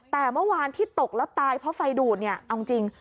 แต่เมื่อวานที่ตกแล้วตายเพราะไฟดูดเนี่ยเอาจริง